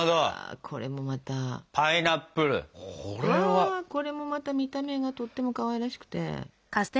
うわこれもまた見た目がとってもかわいらしくて。